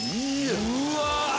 うわ！